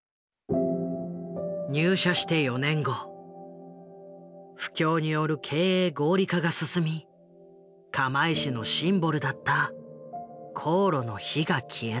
入社して４年後不況による経営合理化が進み釜石のシンボルだった高炉の火が消えた。